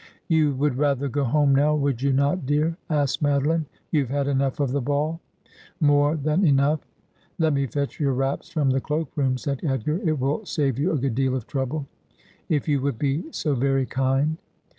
' You would rather go home now, would you not, dear ?' asked Madoline. ' You have had enough of the ball.' p 226 Asphodel. ' More than enough.' ' Let me fetch your wraps from the cloak room,' said Edgar. 'It will save you a good deal of trouble.' ' If you would be so very kind.'